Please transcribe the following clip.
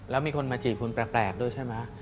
แล้วมีคนมาจีบคุณแปลกด้วยใช่ไหม